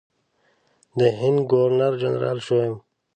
د هند ګورنر جنرال شوم.